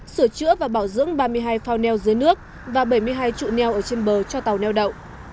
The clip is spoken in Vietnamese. sửa chữa và bảo dưỡng ba mươi hai phao neo dưới nước và bảy mươi hai trụ neo ở trên bờ cho tàu neo đậu